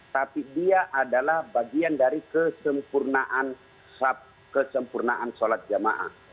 tapi dia adalah bagian dari kesempurnaan kesempurnaan sholat jamaah